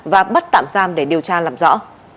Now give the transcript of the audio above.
và bắt tạm giam để điều tra làm rõ